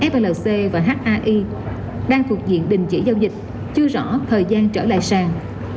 flc và hai đang thuộc diện đình chỉ giao dịch chưa rõ thời gian trở lại sàng